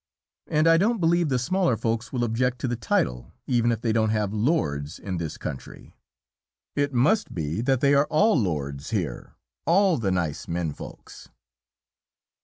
And I don't believe the smaller Folks will object to the title, even if they don't have "lords" in this country. It must be they are all lords here, all the nice men Folks.